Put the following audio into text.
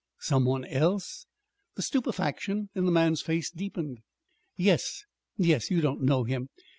"Some one else?" The stupefaction in the man's face deepened. "Yes. You don't know him.